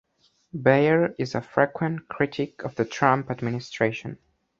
Beyer is a frequent critic of the Trump administration.